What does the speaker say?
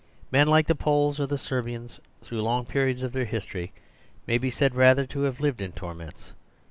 Men like the Poles or the Ser bians, through long periods of their history, may be said rather to have lived in torments.